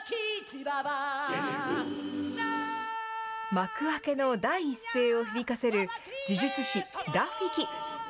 幕開けの第一声を響かせる、呪術師ラフィキ。